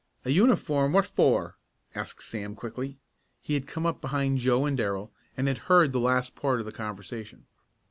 "A uniform; what for?" asked Sam Morton quickly. He had come up behind Joe and Darrell, and had heard the last part of the conversation.